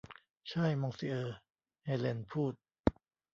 ใช่ มองซิเออร์ เฮเลนพูด